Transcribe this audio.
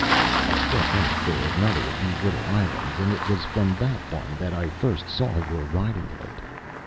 I struck out for another of these little islands, and it was from that one that I first saw your riding light.